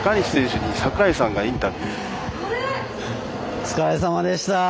お疲れさまでした。